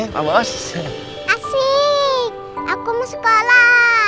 fadzik aku mau sekolah